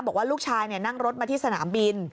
บอกว่าลูกชายนั่งรถมาที่สนามบิน